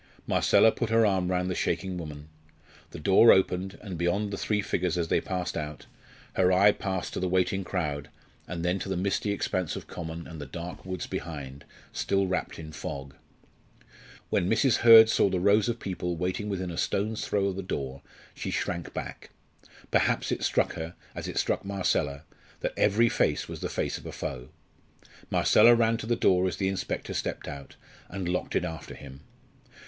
Marcella put her arm round the shaking woman. The door opened; and beyond the three figures as they passed out, her eye passed to the waiting crowd, then to the misty expanse of common and the dark woods behind, still wrapped in fog. When Mrs. Hurd saw the rows of people waiting within a stone's throw of the door she shrank back. Perhaps it struck her, as it struck Marcella, that every face was the face of a foe. Marcella ran to the door as the inspector stepped out, and locked it after him.